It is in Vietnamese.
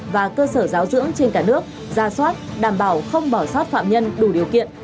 và cơ sở giáo dưỡng trên cả nước ra soát đảm bảo không bỏ sót phạm nhân đủ điều kiện